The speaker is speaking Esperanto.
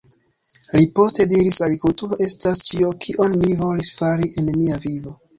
Li poste diris "agrikulturo estas ĉio kion mi volis fari en mia vivo.